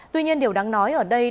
tuy nhiên điều đáng nói ở đây